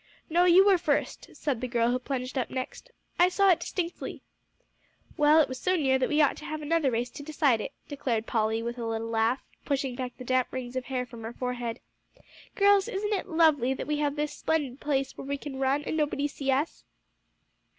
"No, you were first," said the girl who plunged up next; "I saw it distinctly." "Well, it was so near that we ought to have another race to decide it," declared Polly, with a little laugh, pushing back the damp rings of hair from her forehead. "Girls, isn't it lovely that we have this splendid place where we can run, and nobody see us?"